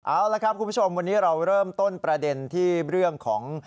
เอาละครับคุณผู้ชมวันนี้เราเริ่มต้นประเด็นที่เรื่องของ